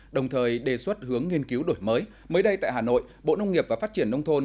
đồng thời đề xuất hướng nghiên cứu đổi mới mới đây tại hà nội bộ nông nghiệp và phát triển nông thôn